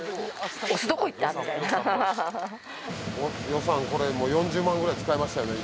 予算これ４０万ぐらい使いましたよね